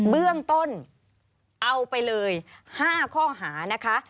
เบื้องต้นเอาไปเลย๕ข้อหานะคะ